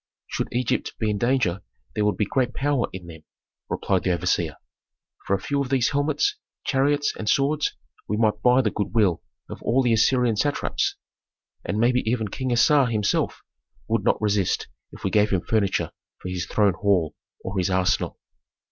"Should Egypt be in danger there would be great power in them," replied the overseer. "For a few of these helmets, chariots and swords we might buy the good will of all the Assyrian satraps. And maybe even King Assar himself would not resist if we gave him furniture for his throne hall, or his arsenal."